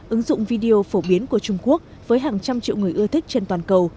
ứng dụng video phổ biến của trung quốc với hàng trăm triệu người ưa thích trên toàn cầu